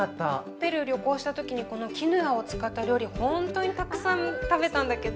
ペルー旅行した時にこのキヌアを使った料理ほんとにたくさん食べたんだけど。